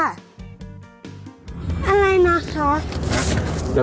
อะไรนะคะ